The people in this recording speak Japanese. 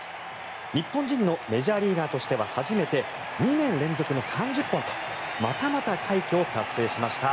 日本人のメジャーリーガーとしては初めて２年連続の３０本とまたまた快挙を達成しました。